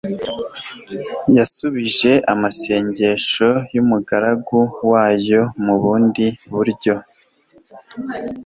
yasubije amasengesho y'umugaragu wayo mu bundi buryo.